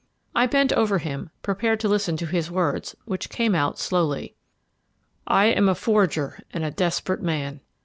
I bent over him, prepared to listen to his words, which came out slowly. "I am a forger and a desperate man.